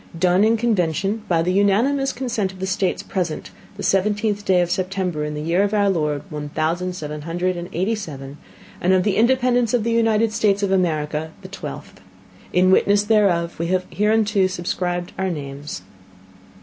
Done in Convention by the Unanimous Consent of the States present the Seventeenth Day of September in the Year of our Lord one thousand seven hundred and eighty seven and of the Independence of the United States of America the Twelfth In Witness whereof We have hereunto subscribed our Names, Go.